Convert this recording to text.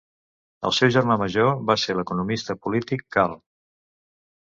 El seu germà major va ser l'economista polític Karl.